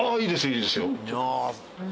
いいですよ。